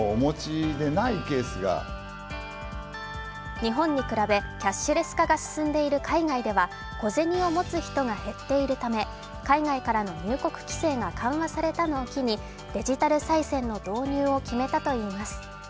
日本に比べキャッシュレス化が進んでいる海外では小銭を持つ人が減っているため海外からの入国規制が緩和されたのを機にデジタルさい銭の導入を決めたといいます。